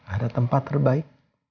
ada tempat terbaik